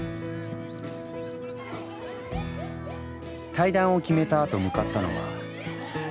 退団を決めたあと向かったのは。